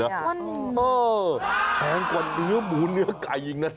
เออแพงกว่าเนื้อหมูเนื้อไก่อีกนะ